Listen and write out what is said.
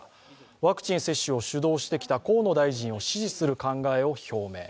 ワクチン接種を主導してきた河野大臣を支持する考えを表明。